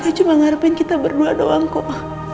aku cuma ngarepin kita berdua doang kok